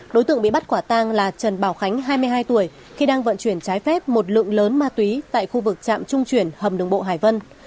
đối tượng bị bắt quả tang là trần bảo khánh hai mươi hai tuổi khi đang vận chuyển trái phép một lượng lớn ma túy tại khu vực trạm trung chuyển hầm đường bộ hải vân